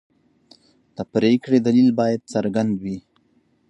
د پرېکړې دلیل باید څرګند وي.